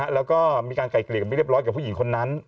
แล้วก็มีการไกลเกลี่ยกันไปเรียบร้อยกับผู้หญิงคนนั้น